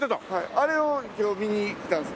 あれを今日見に来たんです。